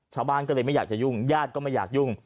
ชาวบ้านก็เลยไม่อยากจะยุ่งญาติก็ไม่อยากยุ่ง